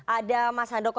ada mas handoko